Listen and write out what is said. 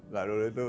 gak dulu itu